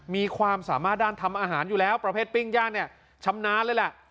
มีความสามารถด้านทำอาหารอยู่แล้วประเภทปิ้งย่างเนี่ยชำนาญเลยแหละ